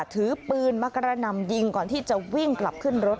ถือปืนมากระหน่ำยิงก่อนที่จะวิ่งกลับขึ้นรถ